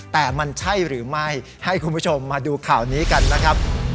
แต่มันใช่หรือไม่ให้คุณผู้ชมมาดูข่าวนี้กันนะครับ